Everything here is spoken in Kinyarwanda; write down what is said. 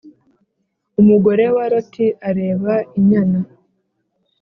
umugore wa loti areba inyana